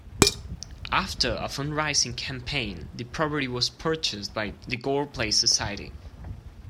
After a fundraising campaign the property was purchased by the Gore Place Society.